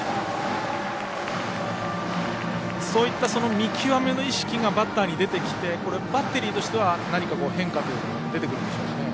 見極めの意識がバッターに出てきてバッテリーとしては何か変化というものは出てくるんでしょうか。